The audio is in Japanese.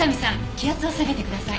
気圧を下げてください。